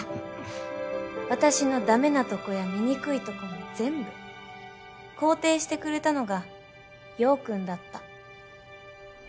私のダメなとこや醜いとこも全部肯定してくれたのが陽君だった